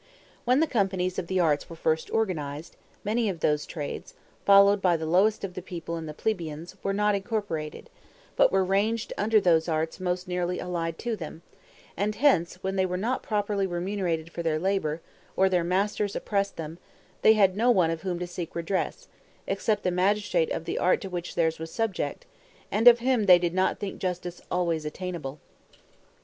When the companies of the arts were first organized, many of those trades, followed by the lowest of the people and the plebeians, were not incorporated, but were ranged under those arts most nearly allied to them; and, hence, when they were not properly remunerated for their labor, or their masters oppressed them, they had no one of whom to seek redress, except the magistrate of the art to which theirs was subject; and of him they did not think justice always attainable.